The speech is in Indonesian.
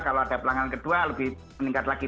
kalau ada pelanggaran kedua lebih meningkat lagi